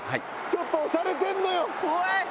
ちょっと押されてんのよ！